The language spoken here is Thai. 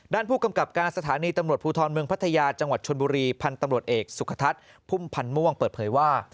ด้านผู้กำกับการสถานีตำรวจภูทรเมืองพัทยาจังหวัดชนบุรีพันธ์ตำรวจเอกสุขทัศน์พุ่มพันธ์ม่วงเปิดเผยว่า